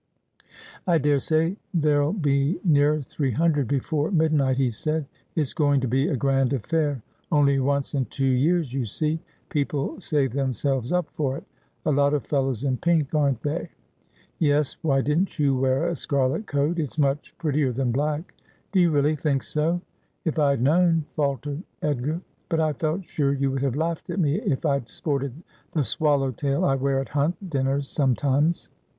' I daresay there'll be nearer three hundred before midnight,' he said. ' It's going to be a grand affair. Only once in two years, you see : people save themselves up for it. A lot of fellows in pink, aren't they ?'' Yes. Why didn't you wear a scarlet coat ? It's much pret tier than black.' ' Do you really think so ? If I'd known —' faltered Edgar. ' But I felt sure you would have laughed at me if I'd sported the swallow tail I wear at hunt dinners sometimes.'